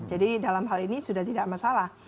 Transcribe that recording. jadi dalam hal ini sudah tidak masalah